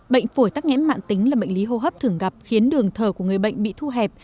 bệnh phổi tắc nghẽn mạng tính là bệnh lý hô hấp thường gặp khiến đường thở của người bệnh bị thu hẹp